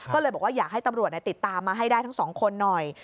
ก็เลยบอกว่าอยากให้ตำรวจติดตามมาให้ได้ทั้งสองคนหน่อย